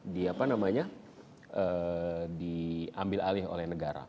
di apa namanya diambil alih oleh negara